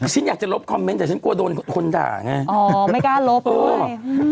ฉันอยากจะลบคอมเมนต์แต่ฉันกลัวโดนคนด่าไงอ๋อไม่กล้าลบเออ